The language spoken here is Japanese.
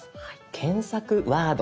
検索ワード